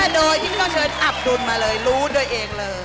โดยที่ไม่ต้องเชิญอับดุลมาเลยรู้ตัวเองเลย